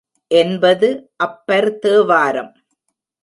என்பது அப்பர் தேவாரம்.